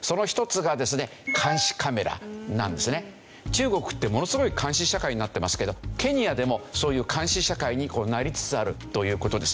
中国ってものすごい監視社会になってますけどケニアでもそういう監視社会になりつつあるという事です。